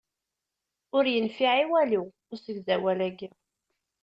Ur yenfiɛ i walu usegzawal-ayi.